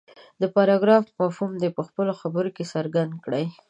د پراګراف مفهوم دې په خپلو خبرو کې څرګند کړي.